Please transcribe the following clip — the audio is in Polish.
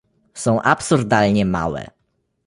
Są absurdalnie małe